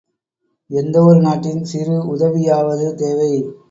எந்தவொரு நாட்டின் சிறு உதவியாவது தேவை.